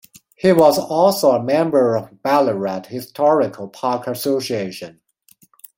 He was also a member of Ballarat Historical Park Association.